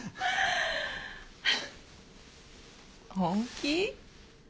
本気？